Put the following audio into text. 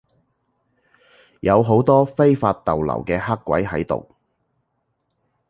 有好多非法逗留嘅黑鬼喺度